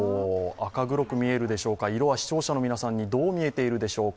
赤黒く見えるでしょうか、色は視聴者の皆さんにどう見えているでしょうか。